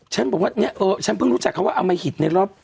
ฉันเพิ่งรู้จักคำว่าอำไหิตในรอบ